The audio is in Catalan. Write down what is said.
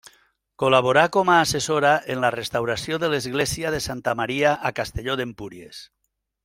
Col·laborà com a assessora en la restauració de l'església de Santa Maria a Castelló d'Empúries.